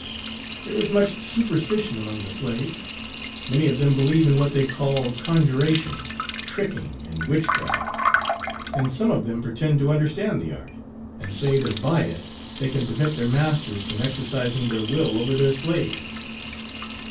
There is much superstition among the slaves. Many of them believe in what they call "conjuration," tricking, and witchcraft; and some of them pretend to understand the art, and say that by it they can prevent their masters from exercising their will over their slaves.